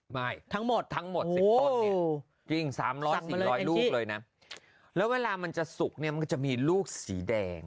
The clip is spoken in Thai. ไม่ทั้งหมดทั้งหมดจริงสามร้อยสี่ร้อยลูกเลยน่ะแล้วเวลามันจะสุกเนี้ยมันก็จะมีลูกสีแดงอ่ะ